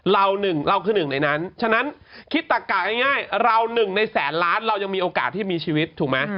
หนึ่งเราคือหนึ่งในนั้นฉะนั้นคิดตักกะง่ายเรา๑ในแสนล้านเรายังมีโอกาสที่มีชีวิตถูกไหม